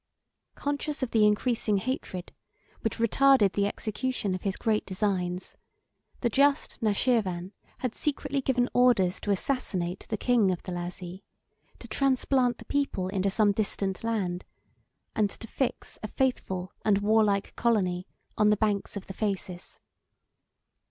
85 Conscious of the increasing hatred, which retarded the execution of his great designs, the just Nashirvan had secretly given orders to assassinate the king of the Lazi, to transplant the people into some distant land, and to fix a faithful and warlike colony on the banks of the Phasis.